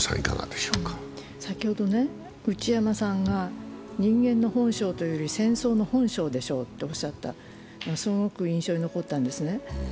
先ほど内山さんが人間の本性というより戦争の本性でしょうとおっしゃった、すごく印象に残ったんですね。